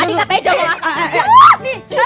tadi siapa yang mau masak